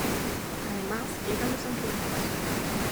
Además llegan los Angelitos.